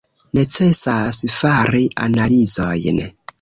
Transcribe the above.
Necesas fari analizojn.